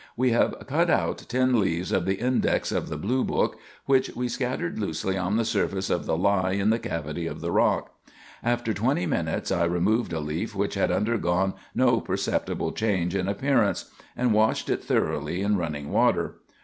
We have cut out ten leaves of the index of the Blue Book, which we scattered loosely on the surface of the lye in the cavity of the rock. After twenty minutes I removed a leaf which had undergone no perceptible change in appearance, and washed it thoroughly in running water.